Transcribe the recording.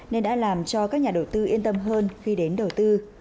nên đã làm cho các nhà đầu tư yên tâm hơn khi đến đầu tư